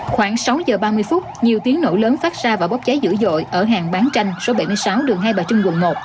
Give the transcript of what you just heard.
khoảng sáu giờ ba mươi phút nhiều tiếng nổ lớn phát ra và bốc cháy dữ dội ở hàng bán tranh số bảy mươi sáu đường hai bà trưng quận một